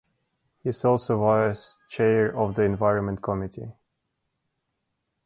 He is also vice chair of the environment committee.